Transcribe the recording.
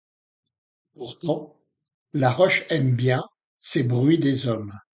Pourtant la roche aime bien ces bruits des hommes.